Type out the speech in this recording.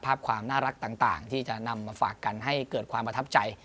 ภาพความน่ารักต่างที่จะนำมาฝากกันให้เกิดความประทับใจ